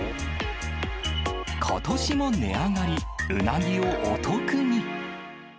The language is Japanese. ことしも値上がり、うなぎをお得に。